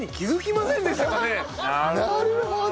なるほど！